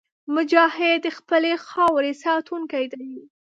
مجاهد د خپلې خاورې ساتونکی دی.